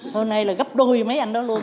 hôm nay là gấp đôi mấy anh đó luôn